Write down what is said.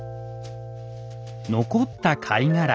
残った貝殻